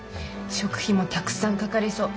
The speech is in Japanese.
食費もたくさんかかりそう。